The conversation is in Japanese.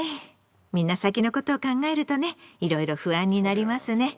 みんな先のことを考えるとねいろいろ不安になりますね。